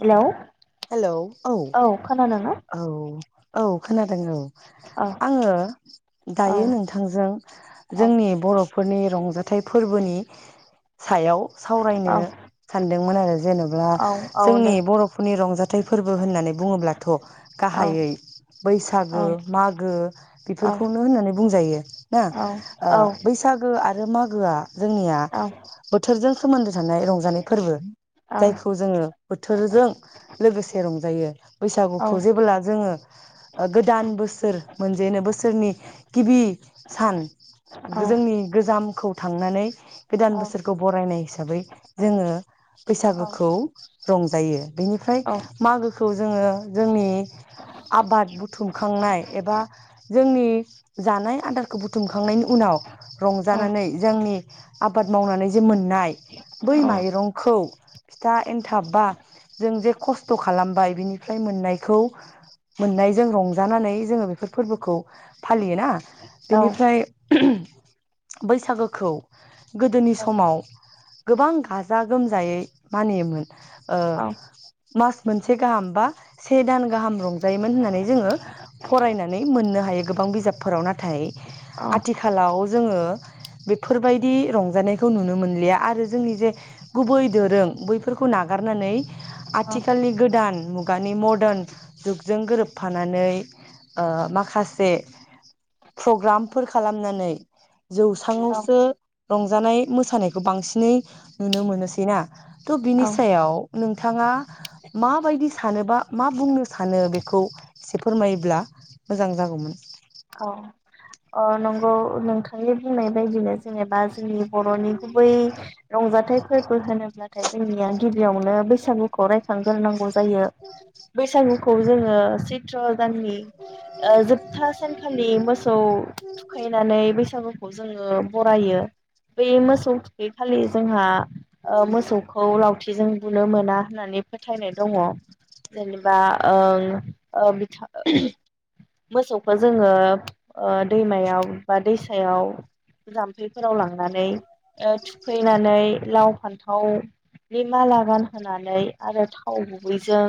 हेल hello औ औ औ खोनादों औ औ आङो औ दायो नोंथांजों औ जोंनि बर फोरनि रंजाथाइ फोरबोनि सायाव सावरायनो औ सानदोंमोन आरो जेनल्बा औ औ दे जोंनि बर नि रंजाथाइ फोरबो होननानै बुङोब्लाथ' औ गाहायै बैसागो औ मागो औ बेफोरखौनो होननानै बुंजायो ना औ ओ औ बैसागो आ रो मागोआ जोंनिया बोथोरजों सोमोन्दो थानाय रंजानाय फोरबो औ जायखौ जोङो बोथोरजों लोगोसे रंजायो। बैसागुखौ जेबोब्ला जोङो ओ गोदान बोसोर मोनजेनो बोसोरनि गिबि सान गो जोंनि गोजाम खौ थांनानै गोदान बोसोरखौ बरायनाय हिसाबै जोङो बैसागोखौ रंजायो। बेनिफ्राय मागो खौ जोङो जोंनि आबाद बुथुमखांनाय एबा जोंनि [inaudible] जानाय आदारखौ बुथुमखांनायनि उनाव रंजानानै जोंनि आबाद मावनानै जे मोन नाय बै माइरंखौ फिथा एनथाब बा जों जे खस्थ' खालामबाय बिनिफ्राय मोननायखौ मोननायजों रंजानानै जोङो बेफोर फोरबोखौ फालियोना बेनिफ्राय बैसागोखौ गोदोनि समाव गोबां गाजा गोमजायै मानियोमोन ओ [inaudible] मास मोनसे गाहाम बा से दान गाहाम रं जायोमोन होननानै जोङो फरायनानै मोननो हायो। गोबां बिजाबफोराव ना थाय आथिखालाव जोङो बेफोरबायदि रंजानायखौ नुनो मोनलिया आरो जोंनि जे गुबै दोरों बैफोरखौ नागारनानै औ आथिखालनि गोदान मुगानि मद्रान जुगजों गोरोबफानानै ओ माखासे फ्रग्रामफोर खालामनानै औ जौसाङावसो रंजानाय मोसानायखौ बांसिनै नुनो मोनोसै ना थ' बिनि सायाव नोंथाङा माबायदि सानोबा मा बुंनो सानो बेखौ एसे फोरमायोब्ला मोजां जागौमोन। औ अ नंगौ नोंथांनि बुंनाय बायदिनो जेनेबा जोंनि बर'नि गुबै रंजाथाइ फोरबो होनोब्लाथाय जोंनिया गिबियावनो बैसागुखौ रायखांग्रोनांगौ जा यो बैसागु खौ जोङो सैत्र दाननि ओ जोबथा सान लि मोसौ थुखैनानै बैसा बैसागुखौ जोङो बरायो बै मोसौ थुखैखालि जोंहा ओ मोसौखौ लाव थिजों बुनो मोना होननानै फोथायनाय दङ। जेनेबा ओं ओ बि [unintelligible] मोसौखो जोङो ओ दैमायाव बा दैसायाव जाम्फैफोराव लांनानै ओ थुखैनानै लाव फान्थावनि माला गान होनानै आरो थाव गुबैजों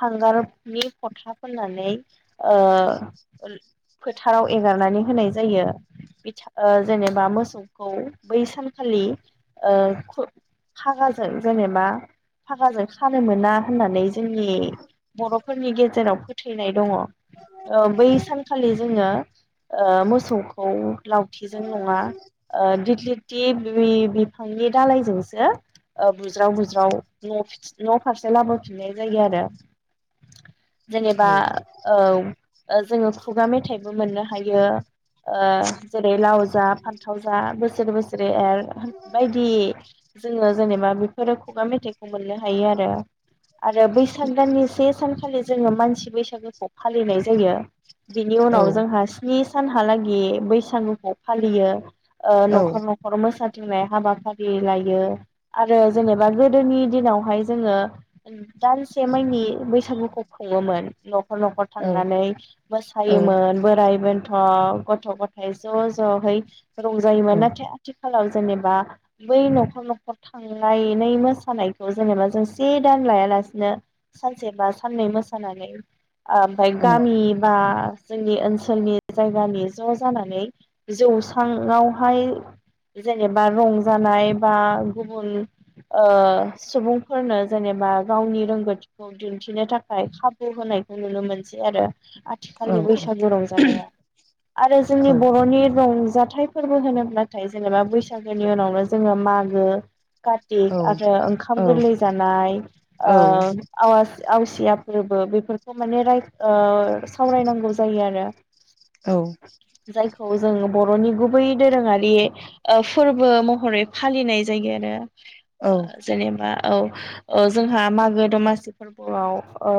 हांगारनि फथा फोननानै ओ फोथाराव एगारनानै होनाय जायो बिथा ओ जेनेबा मोसौखौ बै सानखालि ओ फागाजों ओ जेनेबा फागाजों खानो मोना होननानै जोंनि बर'फोरनि गेजेराव फोथैनाय दङ। ओ बै सान जोङो ओ मोसौखौ लावथिजों नङा ओ दिगलि ति बिफांनि दालायजोंसो ओ बुज्राव बुज्राव न' न' फारसे लाबोफिननाय जायो आरो। जेनेबा औ औ ओ जोङो खुगा मेथाइबो मोननो हायो। ओ जेरै लाव जा फान्थाव जा बोसोर बोसोर रै एर बायदि जोङो जेनेबा फोरो खुगा मेथाइखौ मोननो हायो आरो। आरो बैसाग दाननि से सानखालि जोङो मानसि बैसागोखौ फालिनाय जायो। बिनि उनाव औ जोंहा स्नि सानहालागै बैसागुखौ फालियो। ओ औ न'खर न'खर मोसा थिंनाय हाबाफारि लायो आरो जेनेबा गोदोनि दिनावहाय जोङो दानसे माइनि बैसागुखौ खुङोमोन‌ न नखर नखर औ थांनानै औ सायोमोन बोराय बेनथ गथ' गथाय ज जहै रंजायोमोन नाथाय आथि आथिखालाव जेनेबा बै न'खर न'खर थांनायनै मोसानायखौ जेनेबा जों से दान लायालासिनो सानसे बा साननै मोसानानै आम फाय उम गामि आ जोंनि ओनसोलनि जायगानि ज जानानै जौस्राङावहाय जेनेबा रंजानाय बा गुबुन ओ सुबुंफोरनो जेनेबा गावनि रोंगौथिखौ दिन्थिनो थाखाय खाबु होनायखौ नुनो मोनसै आरो। औ आथिखालनि बैसागु रंजानायाव आरो औ जोंनि बर'नि रंजाथ फ्रायफोरबो होनोब्लाथाय जेनेबा बैसागोनि उनावनो जोङो मागो औ कार्तिक आरो औ ओंखाम गोरलै जानाय औ ओ आवाज आवसिया फोरबो बेफोरखौ माने राय ओ सावरायनांगौ जायो आरो औ। खौ जोंङो बर'नि गुबै दोरोङारि ओ फोरबो महरै फालिनाय जायो आरो ओ जेनेबा औ जोंहा मागो दमासि फोरबोआव ओ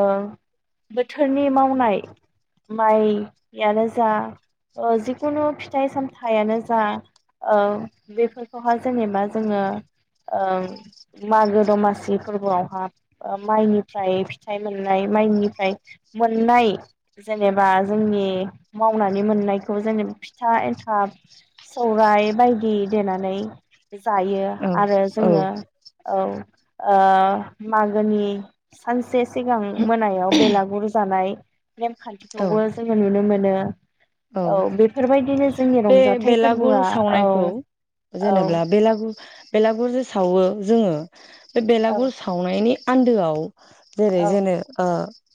बोथोरनि मावनाय माइयानो जा ओ जिखुनु फिथाइ सामथायानो जा ओ बेफोर खौहा जेनेबा जोङो ओ मागो दमासि फोरबोआवहा माइनिफ्राय फिथाइ मोननाय माइनिफ्राय मोननाय जेनेबा जोंनि मावनानै मोननायखौ जेनब फिथा एन्थाब सौराइ बायदि देनानै जायो आरो औ जोङो औ। ओ मागोनि सानसे से सिगां मोनायाव बेलागुर जानाय। नेमखान्थिखौबो औ जोङो नुनो मोनो ओ। औ बे रंजाथाइ बेलागुर फोरबोआ औ सावनायखौ औ जेनोब्ला बेलागुर बेलागुर जे सावो जोङो बे औ बेलागुर सावनायनि आन्दोआव जेरै औ जोनो आ।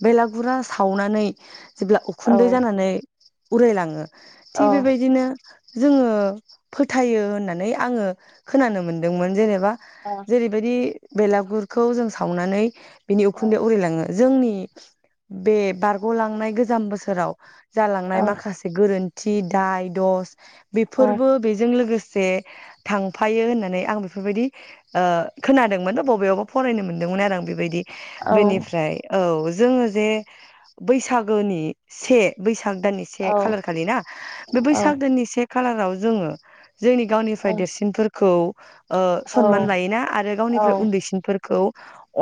बेलागुरा सावनानै जेब्ला उखुन्दै जानानै [inaudible] उरायलाङो औ थिग बेबायदिनो। जोङो फोथायो होननानै आङो खोनानो मोनदोंमोन जेनेबा औ जेरैबायदि बेलागुरखौ जों सावनानै बिनि औ उखुन्दै उरायलाङो जोंनि बे बारग'लांनाय गोस गोज बोसोराव जालांनाय औ माख से गोरोन्थि दाय दस औ बेफोरबो बेजों लोगोस जे थांफायो होननानै आं बेफोरबायदि ओ खोनादोंमोन बबेयावबा फरायनो मोनदोंमोन आरो आं बे बायदि औ बेनिफ्राय औ। जोङो जे बैसागोनि से बैसाग दाननि औ खालार खालि ना बे बैसाग दाननि से खालाराव जोङो जोंनि गावनिफ्राय देरसिनफोर खौ ओ औ सनमान लायोना आरो गावनिफ्राय उन्दैसिनफोरखौ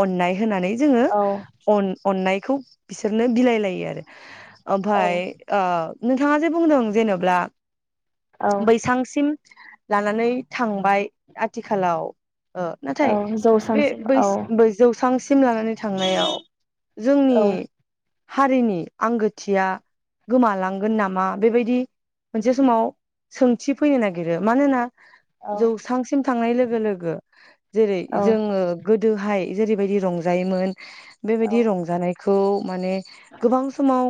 अननाय होनानै जोङो औ अन अननायखौ बिसोरनो बिलायलायो आरो ओमफाय आ नोंथाङा जे बुंदों जेन'ब्ला औ बैसांसिम लानानै थांबाय आथिखालाव ओ औ नाथाय बे जौस्रांसिम बै औ बै जौ सांसिम लानानै थांनायाव जोंनि हारिनि आंगोथिया गोमलां गोन नामा बेबायदि मोनसे समाव सोंथि फैनो नागिरो मानोना औ जौसांसिम थांनाय लोगो लोगो जेरै औ जोङो गोदोहाय जेरैबायदि रंजायोमोन। बेबायदि औ रंजानाय खौ माने गोबां समाव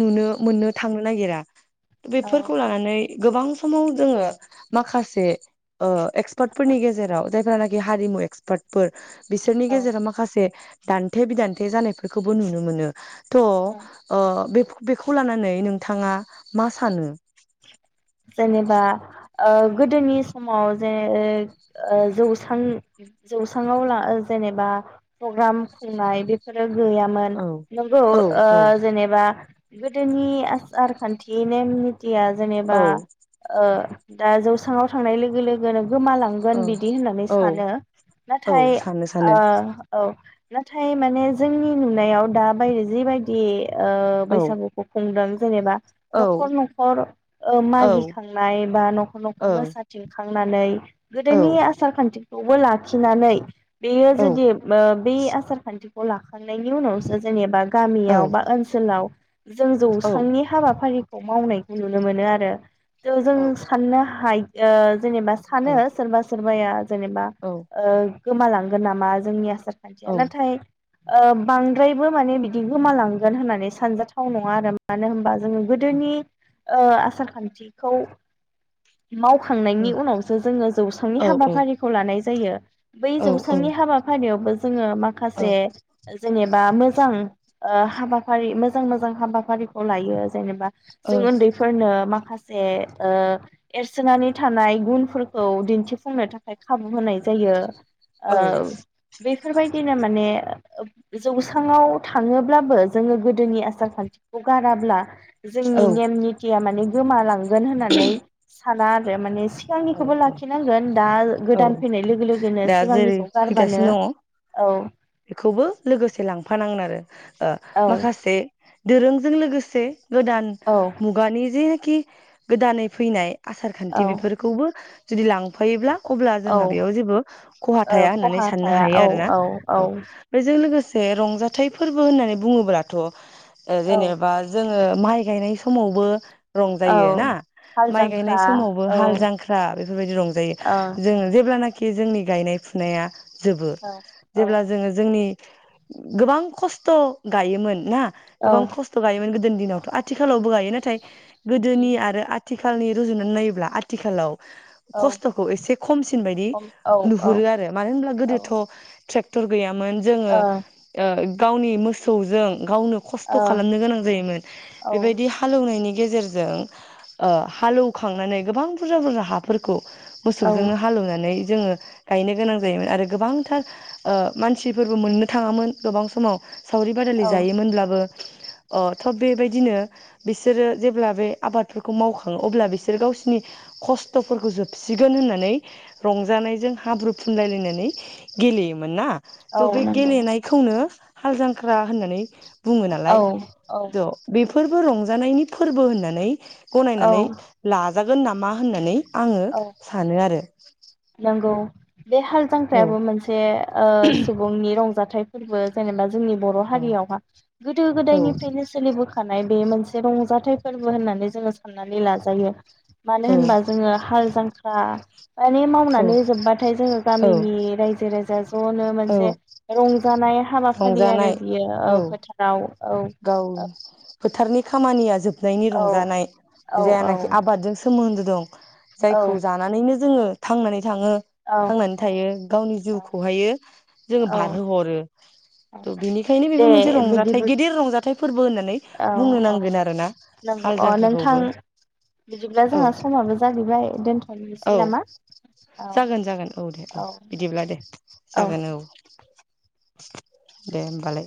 नुनो मोननो थांनो नागिरा। बेफोरखौ लानानै गोबां समाव जोङो माखासे ओ एक्सपार्टफोरनि गेजेराव जायफ्रानाखि हारिमु एक्सपार्टफोर बिसोरनि औ गेजेराव माखासे दान्थे बिदान्थे जानायफोरखौबो नुनो मोनो। थ' औ ओ बेफो बेखौ लानानै नोंथाङा मा सानो? जेनेबा ओ गोदोनि समाव जेन ओ ओ जौसां जौसाङाव ला जेनेबा प्रग्राम खुंनाय बेफोरो गैयामोन औ नंगौ औ ओ औ जेनेबा गोदोनि आसारखान्थि नेम निट थिया जेनेबा औ ओ दा जौसांआव थांनाय लोगो लोगोनो गोमालांगोन औ बिदि होननानै औ सानो औ नाथाय सानो ओ सानो औ नाथाय माने जोंनि नुनायाव दाबाय जिबायदि ओ औ बैसागुखौ खुंदों। जेनेबा औ न'खर न'खर न'खर ओ औ मागिखांनाय बा न'खर औ न'खर मोसाथिं खांनानै गोदोनि आसार खान्थि खौबो लाखिनानै बेयो औ जुदि ओब बे आसार खान्थि अ ला थांनायनि उनावसो जेनेबा औ गामियाव बा ओनसोलाव जों औ जौस्रांनि हाबाफारिखौ मावनाय नुनो मोनो आरो जों जों साननो हाय ओ जेनेबा औ सानो सोरबा सोर बाया जेनेबा ओ गोमालांगोन नामा जोंनि आसार खान्थिया नाथाय ओ बांद्रायबो माने बिदि गोमालांगोन होननानै सानजाथाव नङा आरो मानो होनबा जोङो गोदोनि ओ आसार खान्थिखौ औ मावखांनायनि उनावसो जोङो जौसांनि औ औ हाबाफारिखौ लानाय जायो। बै औ औ जौसांनि हाबाफारियावबो जोङो ओ माखासे जेनेबा मोजां ओ हाबाफारि मोजां मोजां हाबाफारिखौ लायो जेनेबा ओ जों उन्दैफोरनो माखा से ओ एरसोनानै थानाय गुनफोरखौ दिन्थिफुंनो थाखाय खाबु होनाय जायो। औ ओ बेफोरबायदिनो माने जौसांआव थाङोब्लाबो जोङो गोदोनि आसार खान्थिखौ गाराब्ला जोंनि नेम औ निथिया माने गोमालां गोन होननानै साना आरो माने। औ सिगांनिखौबो औ लाखिनांगोन दा औ गोदान फैनाय लोगो लोगोनो दा जेरै सिगांनिखौ गारबानो फैगासिनो दङ औ बेखौबो लोगोसे लांफानांगोन आरो। ओ औ माखासे दोरोंजों लोगोसे गोदान औ मुगानि जे खि गोदानै फैनाय आसार औ खान्थि बेफोरखौबो जुदि लां फायोब्ला अब्ला औ जोंहा बेयाव जेबो खहा ओ थाया होननानै खहा साननो थाया हायो औ आरोना। औ बेजों लोगोसे रंजाथाइ फोरबो होननानै बुङोब्लाथ ' ओ औ जेनेबा जों ओ माइ गायनाय समावबो औ रंजायो ना हाल माइ गायनाय जांख्रा समावबो औ ओ हाल जांख्रा बेफोरबायदि रंजायो औ जों जेब्लानाखि खि जोंनि गायनाय फुनाया जोबो। औ औ जेब्ला जोङो जोंनि गोबां खस्थ गायोमोन ना औ गोबां खस्थ गायोमोन गोदोनि दिनावथ आथिखालावबो गायो नाथाय गोदोनि आरो आथि आखालनि रुजुनानै नायोब्ला आथिखालाव खस्थखौ एसे खमसिन बायदि औ औ ओ नुहुरो आरो मानो होनब्ला गोदोथ ट्रेकटर गैयामोन। मोन जोङो ओ। गावनि मोसौजों गावनो खस्थ खालामनो गोनां जायोमोन बेबायदि हालेवनायनि गेजेरजों ओ हालौ खांनानै गोबां बुरजा बुरजा हाफोरखौ औ मोसौजोंनो हालौवनानै जोङो गायनो गोनां जायोमोन आरो गोबांथार ओ मानसिफोरबो मोननो थाङामोन गोबां समाव सावरि बादालि औ जायो मोनब्लाबो ओ थ बेबायदिनो बिसोरो जेब्ला बे आबादफोरखौ मावखाङो अब्ला बिसोर गावसिनि खस्थफोरखौ जोबसिगोन होननानै रंजानायजों हाब्रु फुनलाय लायनानै गेलेयो। मोन ना औ थ बे नंगौ गेलेनायखौनो हाल जांख्रा होननानै बुङो औ नालाय द बे बेफोरबो रंजानायनि फोरबो होननानै औ गनायनानै ला नाजागोन नामा होननानै आङो सानो आरो नोंगौ। बे हाल औ जांख्रायाबो मोनसे ओ सुबुंनि रंजाथाइ फोरबो जेनेबा जोंनि बर औ हारियावहा गोदो औ गोदायनिफ्रायनो सोलिबो खानाय बे मोनसे रंजाथाइ फोरबो होननानै जोङो साननानै लाजायो। मानो होनबा जोङो हाल जांख्रा मानि औ मावनानै जोबबाथाय जोङो औ गामिनि रायजो राजा जनो औ मोनसे रंजानाय हाबाफारि आरो रंजानाय बियो औ फोथाराव औ गाव फोथारनि खामानिया जोब नायनि औ रंजानाय औ जायानाखि औ आबादजों सो सोमोन्दो दं। जायखौ औ जानानैनो जोङो थांनानै थाङो औ थांनानै थायो गावनि जिउखौ हायो जोङो औ औ बारहो हरो। थ' बिनिखायनो दे बेबो मोनसे रंजाथाइ बिदिबो गेदिर र नि फोरबो होननानै औ बुंनो औ नांगोन आरोना नंगौ हाल अ नोंथां जांख्राखौबो। बिदिब्ला औ जोंहा समाबो जाहैबाय औ दोनथ'नोसै नामा औ जागोन जागोन औ दे औ बिदिब्ला दे जागोन औ। दे होमबालाय। [inaudible]